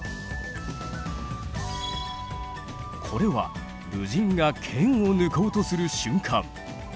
これは武人が剣を抜こうとする瞬間。